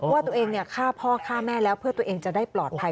ว่าตัวเองฆ่าพ่อฆ่าแม่แล้วเพื่อตัวเองจะได้ปลอดภัย